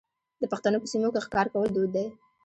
د پښتنو په سیمو کې ښکار کول دود دی.